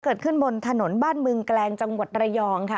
เกิดขึ้นบนถนนบ้านเมืองแกลงจังหวัดระยองค่ะ